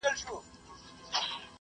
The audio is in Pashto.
ته ولي لوښي وچوې!.